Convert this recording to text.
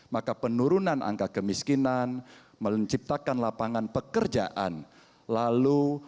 maka penurunan angka kemiskinan menciptakan lapangan pekerjaan dan menjadikan kemampuan kemampuan kemampuan kemampuan